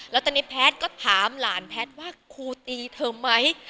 แล้วตอนนี้แพทย์ก็ถามหลานแพทย์ว่าครูตีเธอไหม